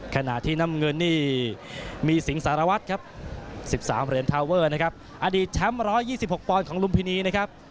ขณะที่น้ำเงินนี่มีสิงสารวัตรครับ๑๓เหรียญทาวเวอร์นะครับอดีตแชมป์๑๒๖ปอนด์ของลุมพินีนะครับ